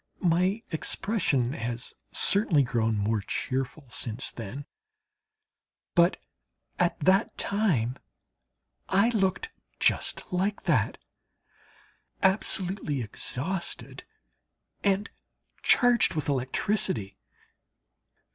My expression has certainly grown more cheerful since then, but at that time I looked just like that absolutely exhausted and charged with electricity.